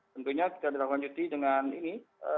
tentunya kita tidak lanjuti dengan ini